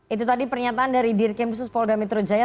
itu tadi pernyataan dari dirkim khusus polda metro jaya